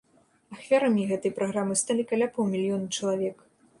Ахвярамі гэтай праграмы сталі каля паўмільёна чалавек.